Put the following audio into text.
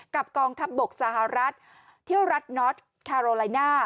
กองทัพบกสหรัฐเที่ยวรัฐน็อตคาโรไลน่า